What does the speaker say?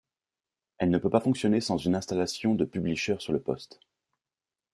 Elle ne peut pas fonctionner sans une installation de Publisher sur le poste.